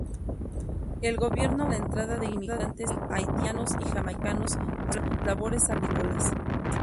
El gobierno autoriza la entrada de inmigrantes haitianos y jamaicanos para las labores agrícolas.